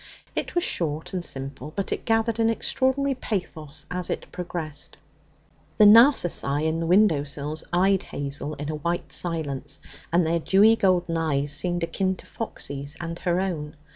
It was short and simple, but it gathered an extraordinary pathos as it progressed. The narcissi on the window sills eyed Hazel in a white silence, and their dewy golden eyes seemed akin to Foxy's and her own.